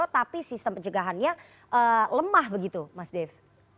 tapi sistem pencegahannya lemah begitu mas dev